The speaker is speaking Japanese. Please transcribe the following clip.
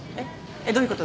えっどういうこと？